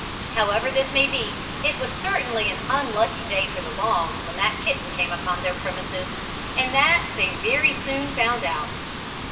However this may be, it was certainly an unlucky day for the Longs when that kitten came upon their premises, and that they very soon found out.